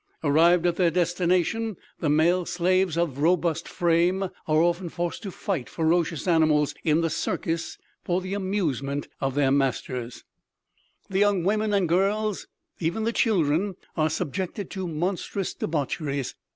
Arrived at their destination, the male slaves of robust frame are often forced to fight ferocious animals in the circus for the amusement of their masters; the young women and girls, even the children are subjected to monstrous debaucheries.